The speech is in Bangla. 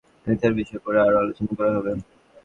ইথার বিষয়ে পরে আরও আলোচনা করা হবে।